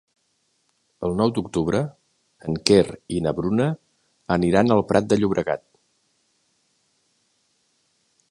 El nou d'octubre en Quer i na Bruna aniran al Prat de Llobregat.